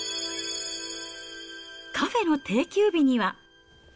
カフェの定休日には。